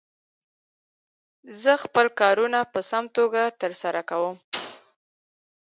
زه خپل کارونه په سم ډول تر سره کووم.